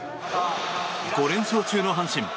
５連勝中の阪神。